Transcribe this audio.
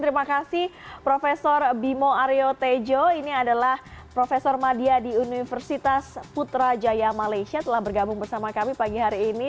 terima kasih prof bimo aryo tejo ini adalah prof madia di universitas putrajaya malaysia telah bergabung bersama kami pagi hari ini